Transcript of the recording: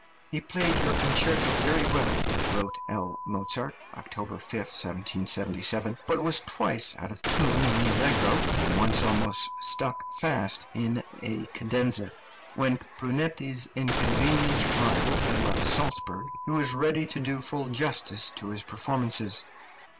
"He played your concerto very well," wrote L. Mozart (October 5, 1777), "but was twice out of tune in the allegro, and once almost stuck fast in a cadenza." When Brunetti's inconvenient rival had left Salzburg, he was ready to do full justice to his performances.